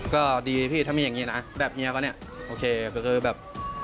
ก็ดีพี่ถ้ามีอย่างนี้นะแบบเฮียป่ะเนี่ยโอเคก็คือแบบ